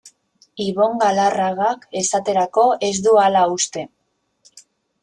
Ibon Galarragak, esaterako, ez du hala uste.